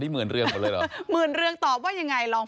หมื่นเรืองหมดเลยเหรอหมื่นเรืองตอบว่ายังไงลอง